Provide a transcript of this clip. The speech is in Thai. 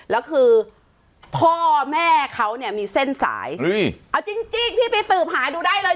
แล้วคือพ่อแม่เขาเนี่ยมีเส้นสายเอาจริงพี่ไปสืบหาดูได้เลย